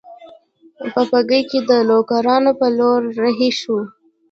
په بګۍ کې د لوکارنو په لور رهي شوو.